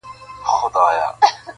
• پوليس کور ته راځي ناڅاپه,